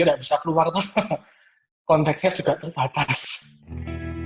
rasa rindu ia sampaikan lewat ungkapan terima kasih yang mendalam kepada seorang kakak